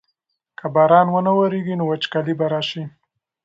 که باران ونه ورېږي نو وچکالي به راشي.